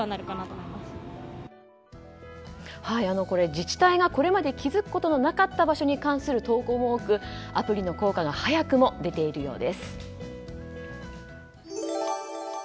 これ、自治体がこれまで気づくことがなかった場所に関する投稿も多くアプリの効果が早くも出ているようです。